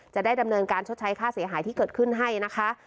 จะได้ดำเนินการชดใช้ค่าเสียหายที่เกิดขึ้นให้นะคะ